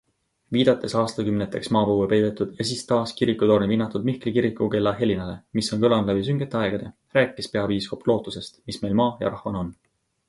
Viidates aastakümneteks maapõue peidetud ja siis taas kirikutorni vinnatud Mihkli kirikukella helinale, mis on kõlanud läbi süngete aegade, rääkis peapiiskop lootusest, mis meil maa ja rahvana on.